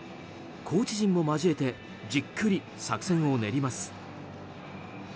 コーチ陣も交えてじっくり作戦を練ります。